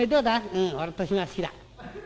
「うん俺年増好きだ。